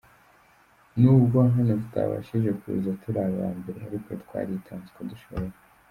Nubwo hano tutabashije kuza turi aba mbere ariko twaritanze uko dushoboye.